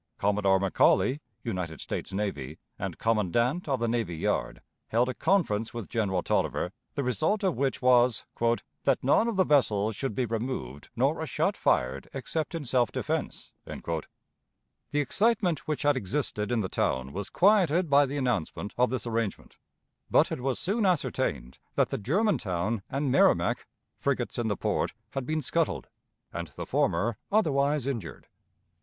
Commodore McCauley, United States Navy, and commandant of the navy yard, held a conference with General Taliaferro, the result of which was "that none of the vessels should be removed, nor a shot fired except in self defense." The excitement which had existed in the town was quieted by the announcement of this arrangement; but it was soon ascertained that the Germantown and Merrimac, frigates in the port, had been scuttled, and the former otherwise injured.